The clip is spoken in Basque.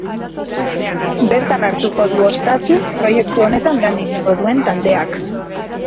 Bertan hartuko du ostatu proiektu honetan lan egingo duen taldeak.